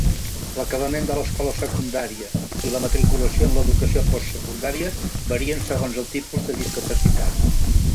L'acabament de l'escola secundària i la matriculació en l'educació postsecundària varien segons el tipus de discapacitat.